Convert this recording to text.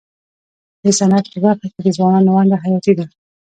د صنعت په برخه کي د ځوانانو ونډه حیاتي ده.